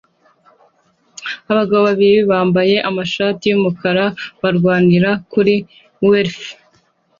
Abagabo babiri bambaye amashati yumukara barwanira kuri wafle